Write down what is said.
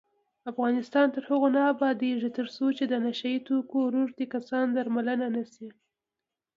افغانستان تر هغو نه ابادیږي، ترڅو د نشه یي توکو روږدي کسان درملنه نشي.